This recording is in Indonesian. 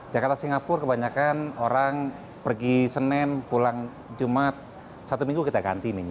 jakarta singapura kebanyakan orang pergi senin pulang jumat satu minggu kita ganti